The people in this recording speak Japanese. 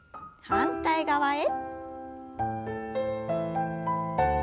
反対側へ。